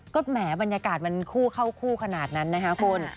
ก็แหมบรรยากาศมันคู่เข้าคู่ขนาดนั้นนะคะคุณ